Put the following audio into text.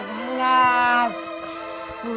lu youtube dukung